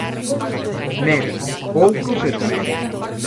Medra; pouco, pero medra.